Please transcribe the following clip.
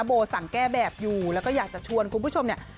โบสั่งแก้แบบอยู่แล้วก็อยากจะชวนคุณผู้ชมเนี่ย